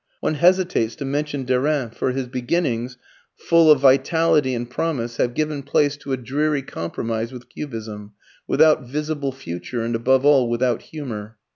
One hesitates to mention Derain, for his beginnings, full of vitality and promise, have given place to a dreary compromise with Cubism, without visible future, and above all without humour.